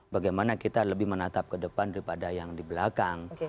bagaimana kita lebih menatap ke depan daripada yang di belakang